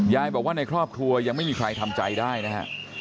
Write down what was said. ยายบอกว่าในครอบครัวยังไม่มีใครทำใจได้นะฮะ